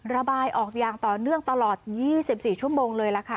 ระบายออกอย่างต่อเนื่องตลอด๒๔ชั่วโมงเลยล่ะค่ะ